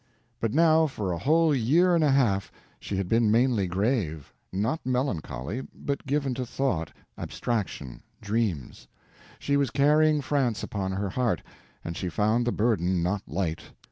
But now for a whole year and a half she had been mainly grave; not melancholy, but given to thought, abstraction, dreams. She was carrying France upon her heart, and she found the burden not light.